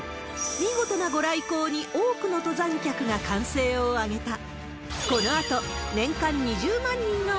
見事なご来光に、多くの登山客が歓声を上げた。